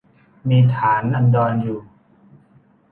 มีฐานอันดรอยู่